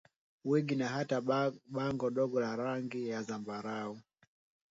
wigi na hata bango dogo la rangi ya zambarau